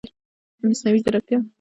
مصنوعي ځیرکتیا د نړیوال تعامل بڼه بدلوي.